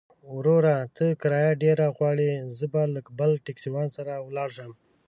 وروره! ته کرايه ډېره غواړې، زه به له بل ټکسيوان سره ولاړ شم.